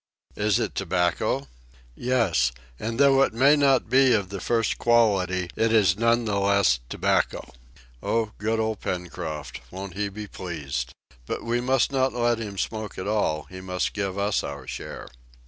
"Is it tobacco?" "Yes, and though it may not be of the first quality, it is none the less tobacco!" "Oh, good old Pencroft! Won't he be pleased! But we must not let him smoke it all, he must give us our share."